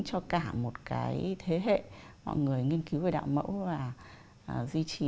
cho cả một cái thế hệ mọi người nghiên cứu về đạo mẫu và duy trì